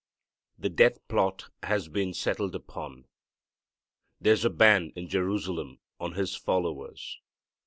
The death plot has been settled upon. There's a ban in Jerusalem on His followers.